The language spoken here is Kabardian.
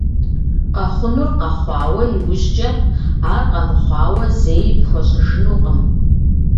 Къэхъунур къэхъуа иужькӀэ, ар къэмыхъуауэ зэи пхуэщӀыжынукъым.